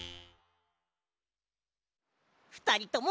ふたりとも